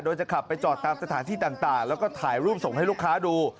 โดยจะขับไปจอดตามสถานที่ต่างแล้วก็ถ่ายรูปส่งให้ลูกค้าดู